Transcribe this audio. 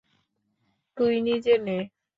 তুই নিজে নে।